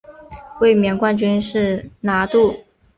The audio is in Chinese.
卫冕冠军是拿度。